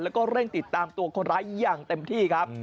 แล้วก็เร่งติดตามตัวคนร้ายอย่างเต็มที่ครับ